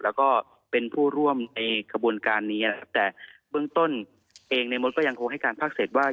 แล้วก็เป็นผู้ร่วมในขบวนการนี้นะครับแต่เบื้องต้นเองในมดก็ยังคงให้การภาคเศษว่า